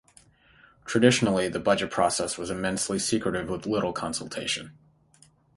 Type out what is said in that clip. Traditionally, the budget process was immensely secretive with little consultation.